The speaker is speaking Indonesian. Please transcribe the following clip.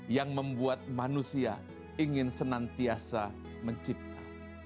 yang membuat manusia ingin senantiasa mencipta